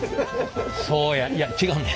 そうやいや違うねん。